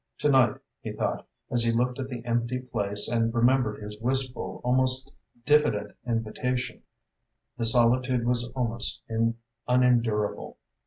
To night, he thought, as he looked at the empty place and remembered his wistful, almost diffident invitation, the solitude was almost unendurable.